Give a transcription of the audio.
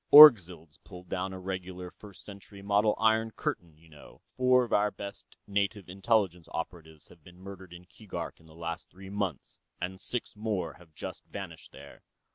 "Orgzild's pulled down a regular First Century model iron curtain. You know, four of our best native Intelligence operatives have been murdered in Keegark in the last three months, and six more have just vanished there."